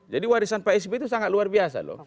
jadi warisan pak sbe itu sangat luar biasa loh